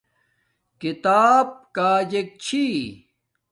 کتاب کاجک چھی